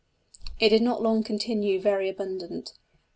It did not long continue "very abundant."